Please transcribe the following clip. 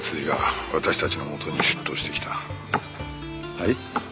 はい？